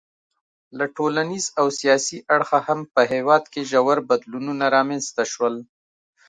له ټولنیز او سیاسي اړخه هم په هېواد کې ژور بدلونونه رامنځته شول.